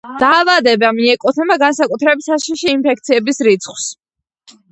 დაავადება მიეკუთვნება განსაკუთრებით საშიში ინფექციების რიცხვს.